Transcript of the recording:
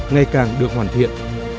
ngày càng được hoàn thiện